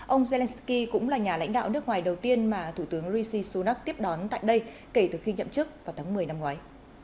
ông zelensky cũng là nhà lãnh đạo nước ngoài đầu tiên mà thủ tướng rishi sunak tiếp đón tại đây kể từ khi nhậm chức vào tháng một mươi năm ngoái